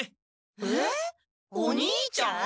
えっお兄ちゃん！？